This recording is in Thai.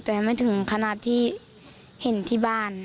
แต่ไม่ถึงขนาดที่เห็นที่บ้าน